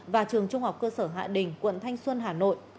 và trường trung học cơ sở hạ đình quận thanh xuân hà nội